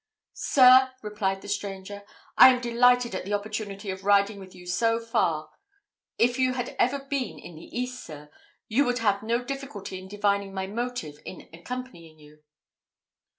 "Sir," replied the stranger, "I am delighted at the opportunity of riding with you so far. If you had ever been in the East, sir, you would have no difficulty in divining my motive in accompanying you."